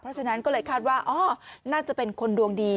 เพราะฉะนั้นก็เลยคาดว่าอ๋อน่าจะเป็นคนดวงดี